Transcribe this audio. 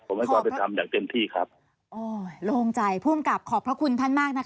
ผมให้ความเป็นธรรมอย่างเต็มที่ครับโอ้โล่งใจผู้อำกับขอบพระคุณท่านมากนะคะ